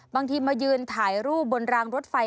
บางทีมายืนถ่ายรูปบนรางรถไฟ